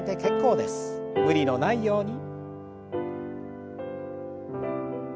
無理のないように。